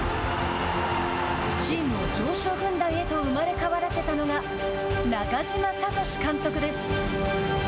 チームを常勝軍団へと生まれ変わらせたのが中嶋聡監督です。